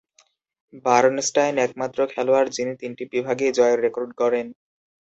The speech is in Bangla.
বার্নস্টাইন একমাত্র খেলোয়াড় যিনি তিনটি বিভাগেই জয়ের রেকর্ড গড়েন।